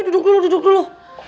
duduk dulu duduk dulu